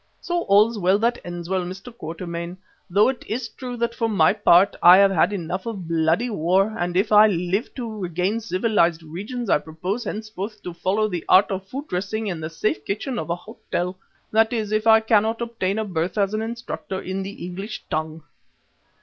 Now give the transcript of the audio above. So all's well that ends well, Mr. Quatermain, though it is true that for my part I have had enough of bloody war, and if I live to regain civilized regions I propose henceforth to follow the art of food dressing in the safe kitchen of an hotel; that is, if I cannot obtain a berth as an instructor in the English tongue!"